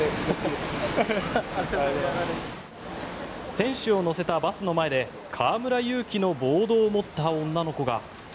選手を乗せたバスの前で河村勇輝のボードを持った女の子が。